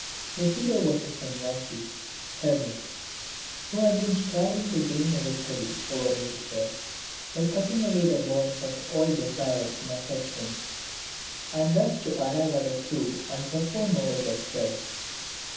The hero was a Sanyasi (hermit) who had been striving to gain a victory over Nature by cutting away the bonds of all desires and affections and thus to arrive at a true and profound knowledge of self.